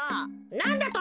なんだと！？